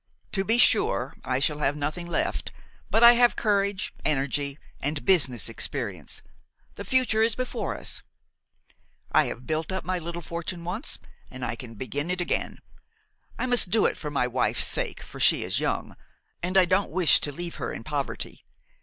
To be sure, I shall have nothing left, but I have courage, energy and business experience; the future is before us. I have built up my little fortune once, and I can begin it again. I must do it for my wife's sake, for she is young, and I don't wish to leave her in poverty.